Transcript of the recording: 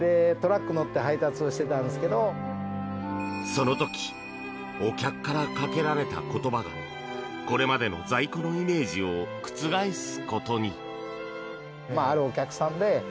その時お客からかけられた言葉がこれまでの在庫のイメージを覆すことに。